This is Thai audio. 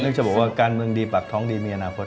จะบอกว่าการเมืองดีปากท้องดีมีอนาคต